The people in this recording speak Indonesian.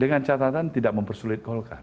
dengan catatan tidak mempersulit golkar